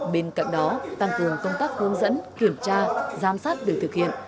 bên cạnh đó tăng cường công tác hướng dẫn kiểm tra giám sát việc thực hiện